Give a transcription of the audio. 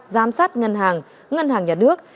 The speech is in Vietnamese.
giám sát ngân hàng ngân hàng nhà nước